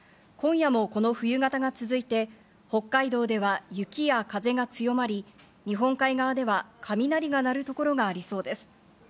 今夜もこの冬型が続いて、北海道では雪や風が強まり、日本海側では雷が鳴るところがありそうです。